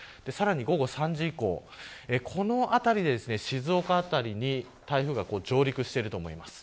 午後３時以降、このあたりで静岡辺りに台風が上陸していると思います。